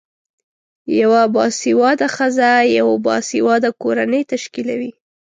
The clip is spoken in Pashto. یوه باسیواده خځه یوه باسیواده کورنۍ تشکلوی